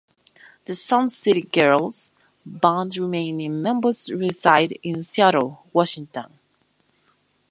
The Sun City Girls band remaining members reside in Seattle, Washington.